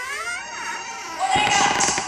خورما ونې اقتصادي ارزښت لري.